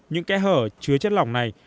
những kẽ hở chứa chất lỏng này